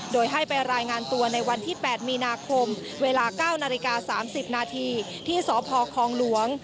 โดยให้ไปรายงานตัวในวันที่๘มีนาคมเวลา๙นาฬิกา๓๐นาทีที่สพคลองหลวง